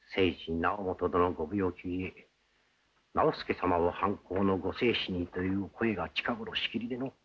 直元殿ご病気ゆえ直弼様を藩公のご世子にという声が近頃しきりでの。